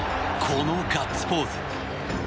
このガッツポーズ。